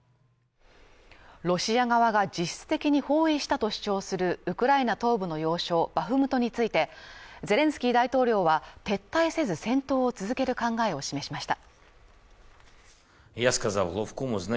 ロシア側が実質的に包囲したと主張するウクライナ東部の要衝バフムトについてゼレンスキー大統領は撤退せず戦闘を続ける考えを示しました。